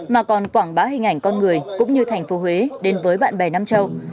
mà còn quảng bá hình ảnh con người cũng như thành phố huế đến với bạn bè nam châu